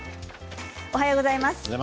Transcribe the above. おはようございます。